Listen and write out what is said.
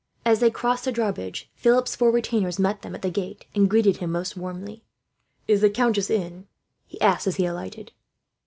As they crossed the drawbridge, Philip's four retainers met them at the gate, and greeted him most warmly. "Is the countess in?" he asked, as he alighted.